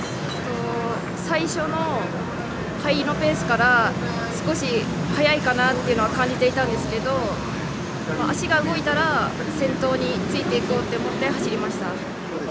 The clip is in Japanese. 最初の入りのペースから少し速いかなというのは感じていたんですけどでも足が動いたら先頭についていこうと思って走りました。